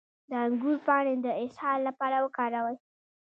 د انګور پاڼې د اسهال لپاره وکاروئ